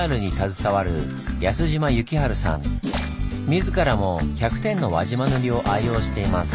自らも１００点の輪島塗を愛用しています。